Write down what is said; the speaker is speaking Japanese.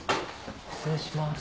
失礼します。